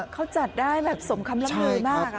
เขาจัดได้สมคำลำเนยมาก